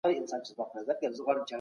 په ټولنه کي د معلولینو درناوی پکار دی.